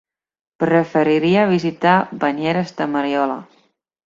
Preferiria visitar Banyeres de Mariola.